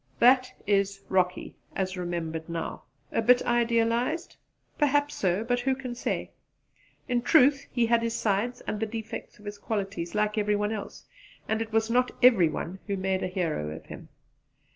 That is Rocky, as remembered now! A bit idealized? Perhaps so: but who can say! In truth he had his sides and the defects of his qualities, like every one else; and it was not every one who made a hero of him.